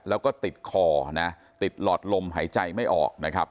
แล้วก็ติดคอนะติดหลอดลมหายใจไม่ออกนะครับ